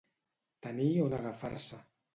Tenir on agafar-se.